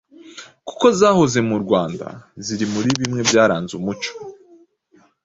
kuko zahoze mu Rwanda ziri muri bimwe byaranze umuco